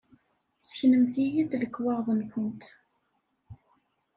Ssknemt-iyi-d lekwaɣeḍ-nkent!